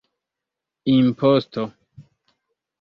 imposto